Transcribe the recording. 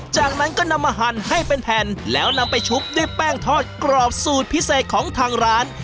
จากนั้นก็นำมาหั่นให้เป็นแผ่นแล้วนำไปชุบด้วยแป้งทอดกรอบสูตรพิเศษของทางร้าน